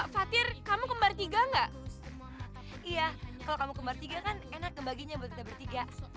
fatir kamu kembar tiga enggak iya kalau kamu kembar tiga kan enak kebagiannya bertiga tiga